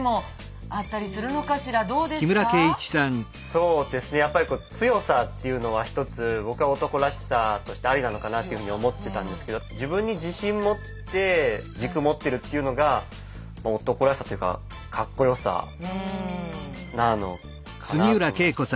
そうですねやっぱり強さっていうのは一つ僕は男らしさとしてありなのかなって思ってたんですけど自分に自信持って軸持ってるっていうのが男らしさというかかっこよさなのかなと思いましたけど。